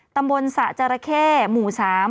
ตำบลสระจาระเข้หมู่สาม